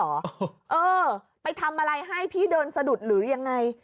เออไปทำอะไรให้พี่เดินสะดุดหรือยังไง